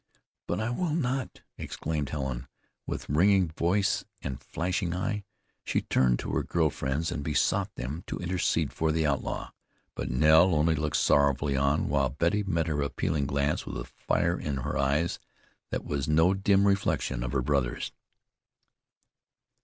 "But I will not!" exclaimed Helen, with ringing voice and flashing eye. She turned to her girl friends and besought them to intercede for the outlaw. But Nell only looked sorrowfully on, while Betty met her appealing glance with a fire in her eyes that was no dim reflection of her brother's.